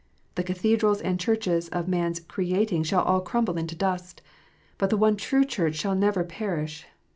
The cathedrals and churches of man s erecting shall all crumble into dust. But the one true Church shall never perish.